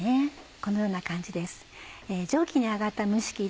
このような感じです。